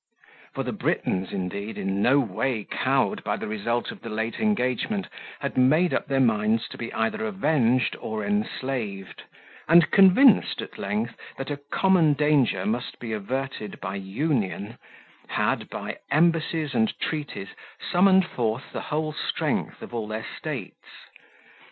For the Britons, indeed, in no way cowed by the result of the late engagement, had made up their minds to be either avenged or enslaved, and convinced at length that a common danger must be averted by union, had, by embassies and treaties, summoned forth the whole strength of all their states.